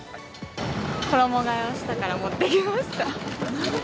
衣がえをしたから、持ってきました。